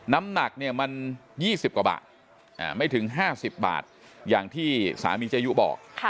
น้ำหนักเนี่ยมัน๒๐กว่าบาทไม่ถึง๕๐บาทอย่างที่สามีเจยุบอก